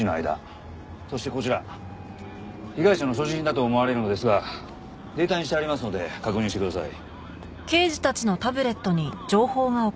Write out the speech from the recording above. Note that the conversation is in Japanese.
そしてこちら被害者の所持品だと思われるのですがデータにしてありますので確認してください。